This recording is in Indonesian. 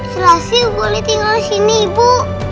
selasi boleh tinggal disini ibu